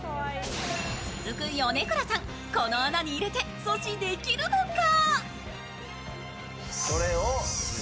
続く米倉さん、この穴に入れて阻止できるのか？